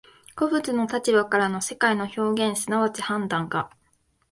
個物の立場からの世界の表現即ち判断が、